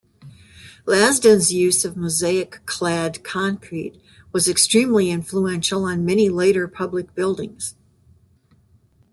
Lasdun's use of mosaic clad concrete was extremely influential on many later public buildings.